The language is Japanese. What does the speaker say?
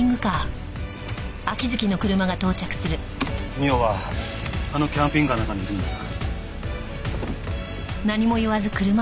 美央はあのキャンピングカーの中にいるんだな？